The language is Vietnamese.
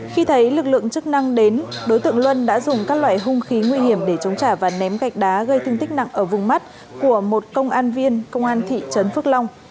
khi thấy lực lượng chức năng đến đối tượng luân đã dùng các loại hung khí nguy hiểm để chống trả và ném gạch đá gây thương tích nặng ở vùng mắt của một công an viên công an thị trấn phước long